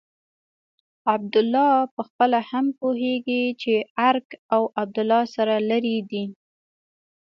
عبدالله پخپله هم پوهېږي چې ارګ او عبدالله سره لرې دي.